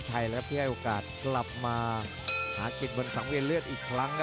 จังหวาดึงซ้ายตายังดีอยู่ครับเพชรมงคล